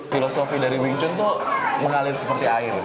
filosofi dari wing chun itu mengalir seperti air